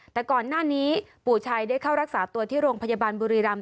แต่ก่อนหน้านี้ปู่ชัยได้เข้ารักษาตัวที่โรงพยาบาลบุรีรำ